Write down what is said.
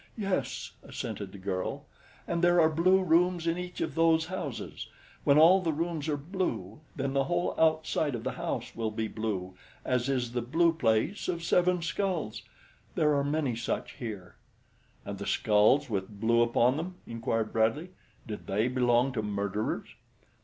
"Yes," assented the girl, "and there are blue rooms in each of those houses when all the rooms are blue then the whole outside of the house will be blue as is the Blue Place of Seven Skulls. There are many such here." "And the skulls with blue upon them?" inquired Bradley. "Did they belong to murderers?"